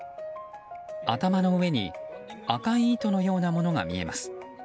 頭の上に赤い糸のようなものが見えます。